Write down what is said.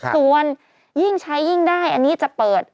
ส่วนยิ่งใช้ยิ่งได้อันนี้จะเปิด